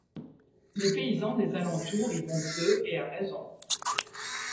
Les paysans des alentours y vont peu, et à raison.